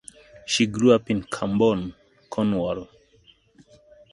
She grew up in Camborne, Cornwall.